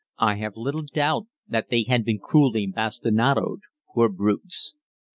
I have little doubt that they had been cruelly bastinadoed, poor brutes.